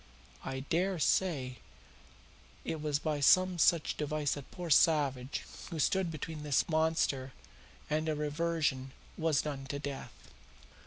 I dare say it was by some such device that poor Savage, who stood between this monster and a reversion, was done to death.